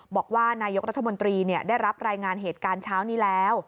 บอกว่านายกรัฐมนตรีได้รับรายงานเหตุการณ์เช้านี้แล้ว